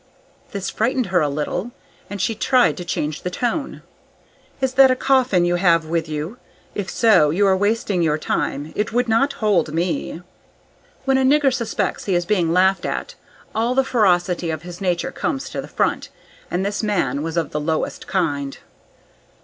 This frightened her a little, and she tried to change the tone. "Is that a coffin you have with you? If so, you are wasting your time. It would not hold me." When a nigger suspects he is being laughed at, all the ferocity of his nature comes to the front; and this man was of the lowest kind.